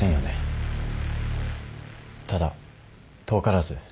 ただ遠からず。